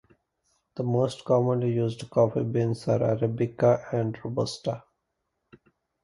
The most commonly used coffee beans are arabica and robusta.